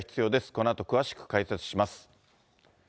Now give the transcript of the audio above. このあと詳しく解説します。